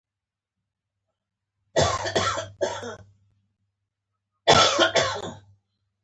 يا به کفري خبرې پرې وليکم.